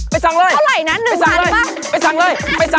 ป่าน่ะจ๊ะ